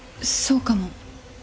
そうかも。